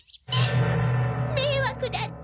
めいわくだったのね。